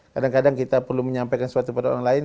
kadang kadang kita perlu menyampaikan sesuatu kepada orang lain